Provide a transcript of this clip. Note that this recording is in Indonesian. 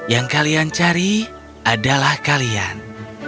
yang kalian cari adalah kalian